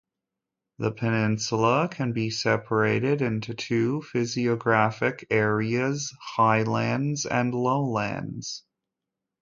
The peninsula can be separated into two physiographic areas-highlands and lowlands.